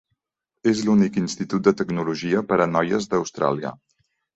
És l'únic institut de tecnologia per a noies d'Austràlia.